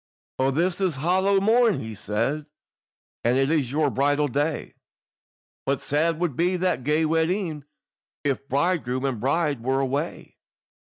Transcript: "O this is hallow morn," he said, "And it is your bridal day, But sad would be that gay wedding, If bridegroom and bride were away.